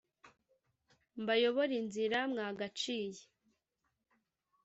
mbayobore inzira mwagaciye.